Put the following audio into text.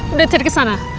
udah tiru kesana